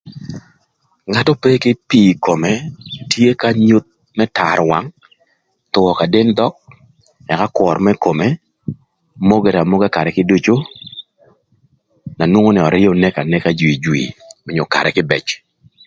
Ngat ope kï pii ï kome tye k'anyuth më tar wang, thwö ka del dhök ëka kwör më kome, mogere amoga karë kï ducu, na nwongo nï örïö neko aneka jwijwi onyo karë kïbëc